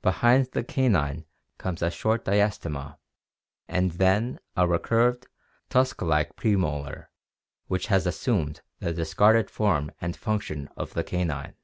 Behind the canine comes a short diastema and then a recurved, tusk like premolar which has assumed the discarded form and function of the canine.